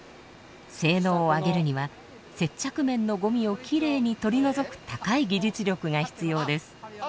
性能を上げるには接着面のゴミをきれいに取り除く高い技術力が必要です。